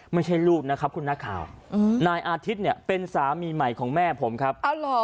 ไม่ใช่ลูกนะครับคุณนักข่าวนายอาทิตย์เนี่ยเป็นสามีใหม่ของแม่ผมครับ